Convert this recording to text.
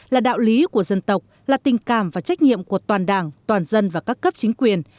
là đạo lý của dân tộc là tình cảm và trách nhiệm của toàn đảng toàn dân và các cấp chính quyền